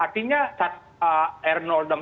artinya r enam belas